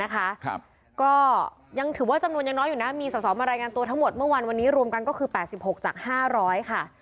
ตั้งจากเมื่อวานเนี่ย๕๕คนนะคะ